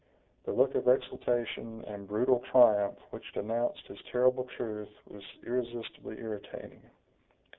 The look of exultation and brutal triumph which announced this terrible truth was irresistibly irritating.